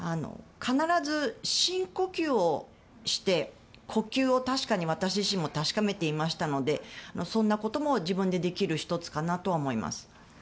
必ず深呼吸をして呼吸を確かに私自身も確かめていましたのでそんなことも自分でできる１つかなとは思います。